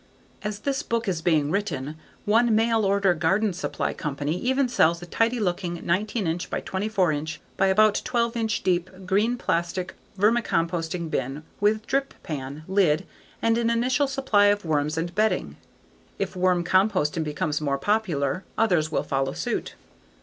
As this book is being written, one mail order garden supply company even sells a tidy looking 19" by 24" by about 12" deep green plastic vermicomposting bin with drip pan, lid, and an initial supply of worms and bedding. If worm composting becomes more popular, others will follow suit.